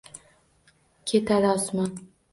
Ketadi osmon